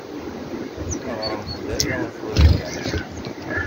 Ɣṛemt-d aya tura kan.